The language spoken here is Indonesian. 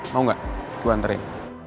mau gak gue nganterin